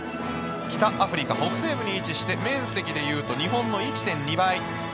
北アフリカ北西部に位置して面積でいうと日本の１．２倍。